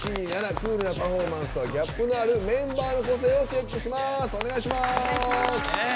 クールなパフォーマンスとはギャップのあるメンバーの個性をチェックします。